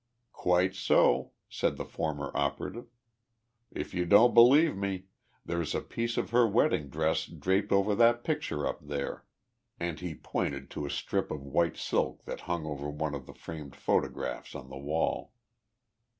"Quite so," said the former operative. "If you don't believe me, there's a piece of her wedding dress draped over that picture up there," and he pointed to a strip of white silk that hung over one of the framed photographs on the wall.